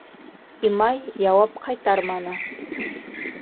Имай яуап ҡайтарманы.